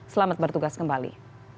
selamat bertugas kembali